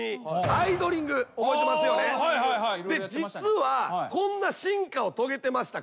実はこんな進化を遂げてました。